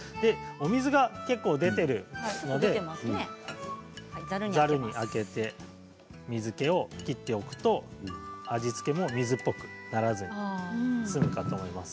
お水が結構、出ているのでざるにあけて水けを切っておくと味付けも水っぽくならず済むかと思います。